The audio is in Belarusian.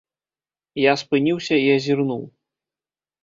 Я спыніўся і азірнуў.